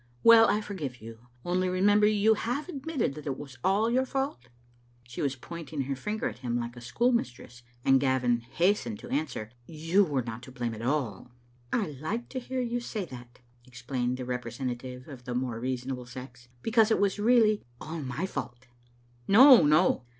Well, I forgive you; only remember, you have admitted that it was all your fault?" She was pointing her finger at him like a school mistress, and Gavin hastened to answer —" You were not to blame at all. " "I like to hear you say that," explained the repre sentative of the more reasonable sex, " because it was really all my fault." "No, no."